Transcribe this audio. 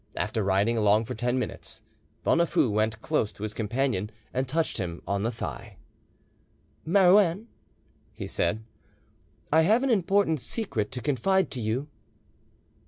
After riding along for ten minutes, Bonafoux went close to his companion and touched him on the thigh— "Marouin," he said, "I have an important secret to confide to you."